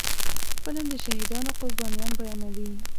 فلم د شهیدانو قربانيان بیانوي